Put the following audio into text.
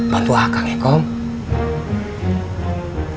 bantu akang ya kong